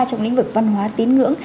trong lĩnh vực văn hóa tín ngưỡng